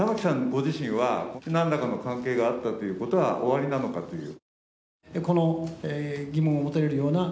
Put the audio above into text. ご自身は、何らかの関係があったということはおありなのかという。